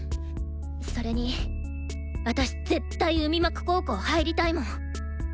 それに私絶対海幕高校入りたいもん！